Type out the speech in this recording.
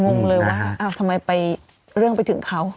งงเลยว่าทำไมไปเรื่องไปถึงเขา